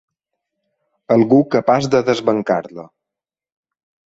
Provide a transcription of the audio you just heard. Algú capaç de desbancar-la.